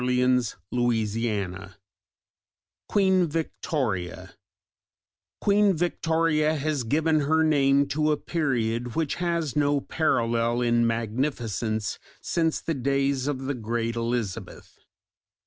CHAPTER XII: QUEEN VICTORIA Queen Victoria has given her name to a period which has no parallel in magnificence since the days of the great Elizabeth.